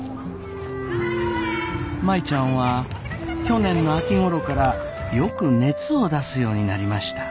舞ちゃんは去年の秋ごろからよく熱を出すようになりました。